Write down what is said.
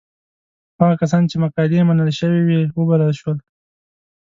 هغه کسان چې مقالې یې منل شوې وې وبلل شول.